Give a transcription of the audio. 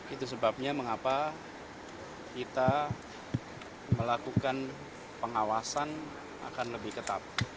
itu sebabnya mengapa kita melakukan pengawasan akan lebih ketat